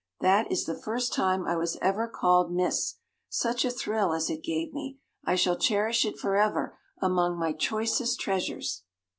That is the first time I was ever called 'Miss.' Such a thrill as it gave me! I shall cherish it forever among my choicest treasures."